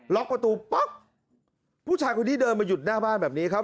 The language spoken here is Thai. ล็อกประตูป๊อกผู้ชายคนนี้เดินมาหยุดหน้าบ้านแบบนี้ครับ